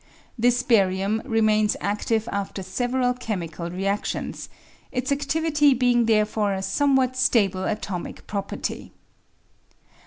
This barium remains active after several chemical readions, its adivity being therefore a somewhat stable atomic property.